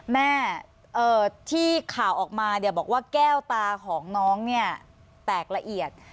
แม่ที่ข่าวออกมาเนี่ยบอกว่าแก้วตาของน้องเนี่ยแตกละเอียด